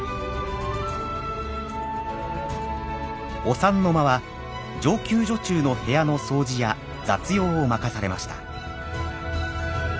御三之間は上級女中の部屋の掃除や雑用を任されました。